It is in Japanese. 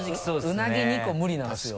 うなぎ２個無理なんですよ